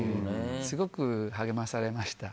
すごく励まされました。